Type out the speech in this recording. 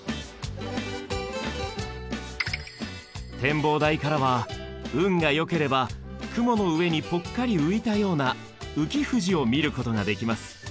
展望台からは運が良ければ雲の上にぽっかり浮いたような浮富士を見ることができます。